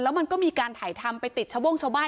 แล้วมันก็มีการถ่ายทำไปติดชาวบ้าน